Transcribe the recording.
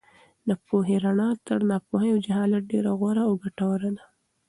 د پوهې رڼا تر ناپوهۍ او جهالت ډېره غوره او ګټوره ده.